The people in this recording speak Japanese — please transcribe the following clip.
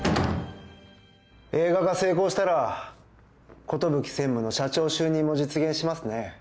映画が成功したら寿専務の社長就任も実現しますね。